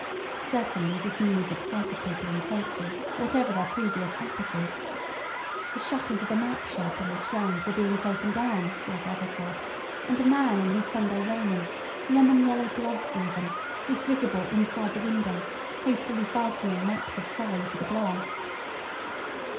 Certainly this news excited people intensely, whatever their previous apathy. The shutters of a map shop in the Strand were being taken down, my brother said, and a man in his Sunday raiment, lemon yellow gloves even, was visible inside the window hastily fastening maps of Surrey to the glass.